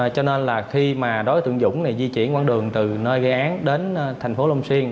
cho nên là khi đối tượng dũng di chuyển quãng đường từ nơi gây án đến thành phố long xuyên